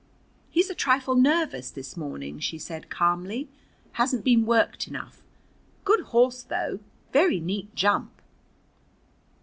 "He's a trifle nervous this morning," she said calmly. "Hasn't been worked enough. Good horse, though, very neat jump."